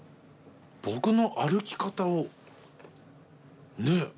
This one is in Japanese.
僕の歩き方をねえ